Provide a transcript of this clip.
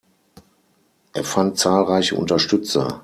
Er fand zahlreiche Unterstützer.